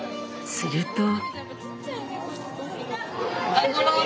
すると。